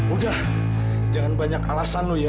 udah jangan banyak alasan loh ya